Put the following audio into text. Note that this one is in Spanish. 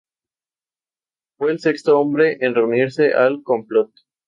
Fue el sexto hombre en unirse al complot.